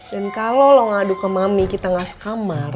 dan kalau lo ngadu ke mami kita nggak sekamar